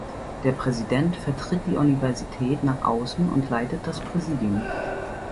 Der Präsident vertritt die Universität nach außen und leitet das Präsidium.